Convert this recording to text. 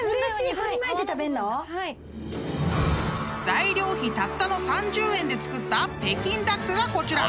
［材料費たったの３０円で作った北京ダックがこちら！］